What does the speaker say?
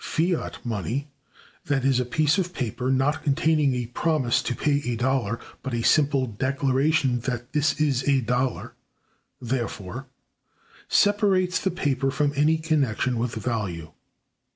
Fiat money—that is, a piece of paper, not containing a promise to pay a dollar, but a simple declaration that this is a dollar—therefore, separates the paper from any connection with value.